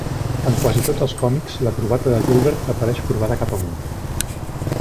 En quasi tots els còmics, la corbata de Dilbert apareix corbada cap amunt.